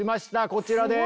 こちらです。